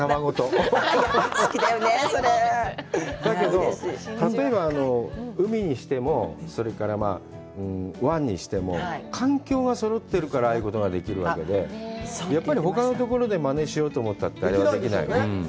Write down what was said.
だけど、例えば、海にしても、それから湾にしても環境がそろってるからああいうことができるわけで、やっぱりほかのところでまねしようと思っても、あれはできないよね。